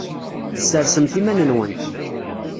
Ssersemt iman-nwent.